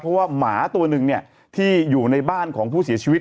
เพราะว่าหมาตัวหนึ่งที่อยู่ในบ้านของผู้เสียชีวิต